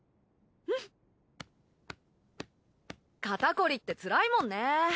肩こりってつらいもんね。